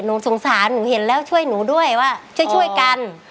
หนูสงสารหนูเห็นแล้วช่วยหนูด้วยว่าช่วยกัน